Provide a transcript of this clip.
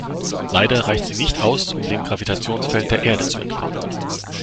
Leider reicht sie nicht aus, um dem Gravitationsfeld der Erde zu entkommen.